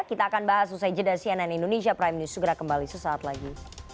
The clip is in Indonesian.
kita akan bahas usai jeda cnn indonesia prime news segera kembali sesaat lagi